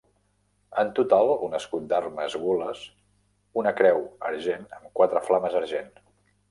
En total, un escut d'armes gules, una creu argent amb quatre flames argent.